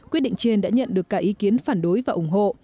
quyết định trên đã nhận được cả ý kiến phản đối và ủng hộ